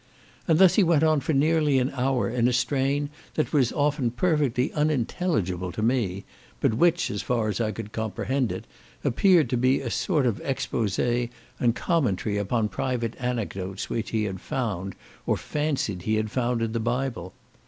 and thus he went on for nearly an hour, in a strain that was often perfectly unintelligible to me, but which, as far as I could comprehend it, appeared to be a sort of expose and commentary upon private anecdotes which he had found, or fancied he had found in the Bible.